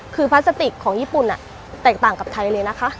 คือพลาสติกของญี่ปุ่นแตกต่างกับไทยเลยนะคะ